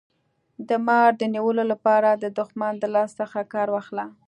د مار د نیولو لپاره د دښمن د لاس څخه کار واخله.